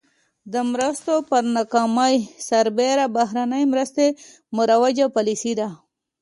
د مرستو پر ناکامۍ سربېره بهرنۍ مرستې مروجه پالیسي ده.